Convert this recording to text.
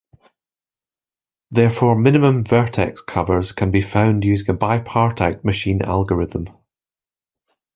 Therefore, minimum vertex covers can be found using a bipartite matching algorithm.